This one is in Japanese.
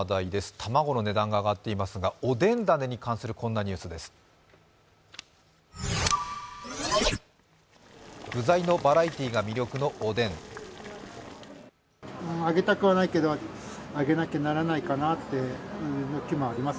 卵の値段が上がっていますがおでんだねに関するこんなニュースです。